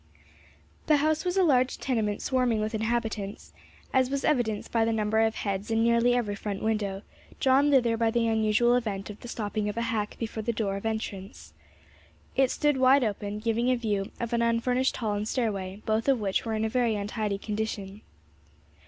The house was a large tenement swarming with inhabitants, as was evidenced by the number of heads in nearly every front window, drawn thither by the unusual event of the stopping of a hack before the door of entrance. It stood wide open, giving a view of an unfurnished hall and stairway, both of which were in a very untidy condition.